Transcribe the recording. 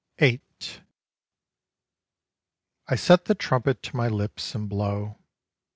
8 I set the trumpet to my lips and blow.